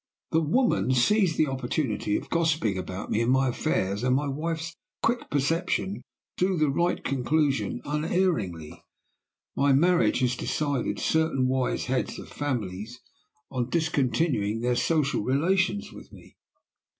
The woman seized the opportunity of gossiping about me and my affairs, and my wife's quick perception drew the right conclusion unerringly. My marriage has decided certain wise heads of families on discontinuing their social relations with me.